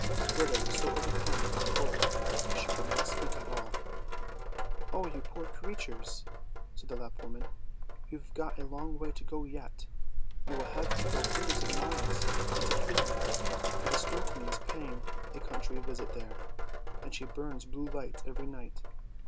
Gerda was so overcome by the cold that she could not speak at all. " Oh you poor creatures! " said the Lapp woman; " you've got a long way to go yet ; you will have to go hundreds of miles into Finmark, for the Snow Queen is paying a country visit there, and she burns blue lights every night.